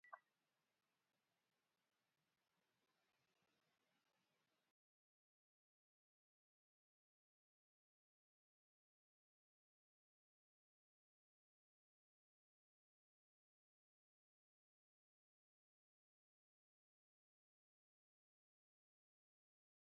weche go nokelo ne chuny mokwe.